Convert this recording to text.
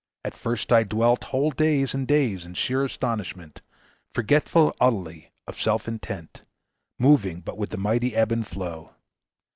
At first I dwelt Whole days and days in sheer astonishment; Forgetful utterly of self intent, Moving but with the mighty ebb and flow.